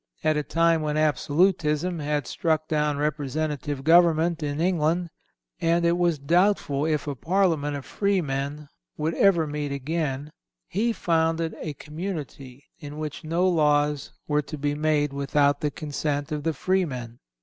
At a time when absolutism had struck down representative government in England and it was doubtful if a Parliament of freemen would ever meet again, he founded a community in which no laws were to be made without the consent of the freemen.